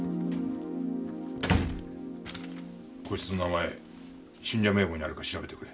こいつの名前信者名簿にあるか調べてくれ。